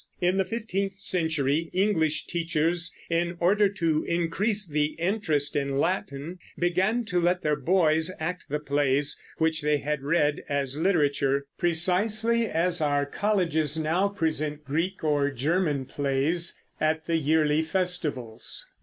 In the fifteenth century English teachers, in order to increase the interest in Latin, began to let their boys act the plays which they had read as literature, precisely as our colleges now present Greek or German plays at the yearly festivals.